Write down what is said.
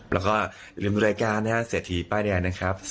แล้วก็ลืมรายการเศรษฐีป้ายแดงนะครับ